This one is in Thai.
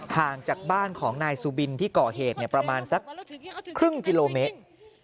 ห่างจากบ้านของนายสุบินที่ก่อเหตุประมาณสักครึ่งกิโลเมตร